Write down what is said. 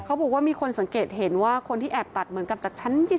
เขาบอกว่ามีคนสังเกตเห็นว่าคนที่แอบตัดเหมือนกับจากชั้น๒